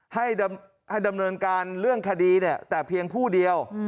ให้ดำนวลการณ์เรื่องคดีแต่เพียงผู้เดียว